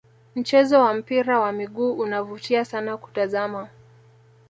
mchezo wa mpira wa miguu unavutia sana kutazama